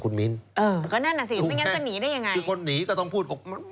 คุณมิ้นเออก็นั่นน่ะสิไม่งั้นจะหนีได้ยังไงคือคนหนีก็ต้องพูด